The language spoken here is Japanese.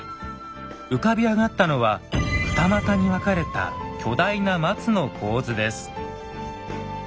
浮かび上がったのは二股に分かれた巨大な松の構図です。